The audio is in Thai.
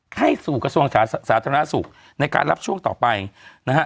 เข้าสู่กระทรวงสาธารณสุขในการรับช่วงต่อไปนะฮะ